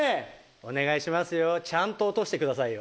お願いしますよちゃんと落としてくださいよ。